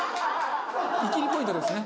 イキりポイントですね。